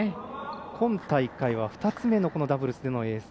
今大会は２つ目のダブルスでのエース。